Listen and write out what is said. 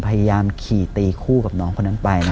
พยายามขี่ตีคู่กับน้องคนนั้นไป